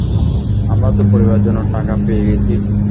আমরা তোর পরিবারের জন্য টাকা পেয়ে গেছি।